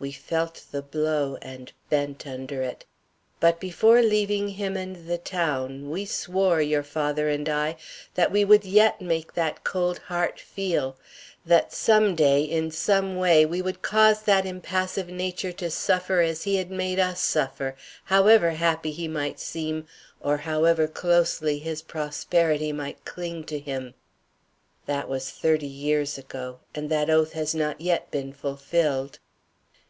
We felt the blow, and bent under it. But before leaving him and the town, we swore, your father and I, that we would yet make that cold heart feel; that some day, in some way, we would cause that impassive nature to suffer as he had made us suffer, however happy he might seem or however closely his prosperity might cling to him. That was thirty years ago, and that oath has not yet been fulfilled."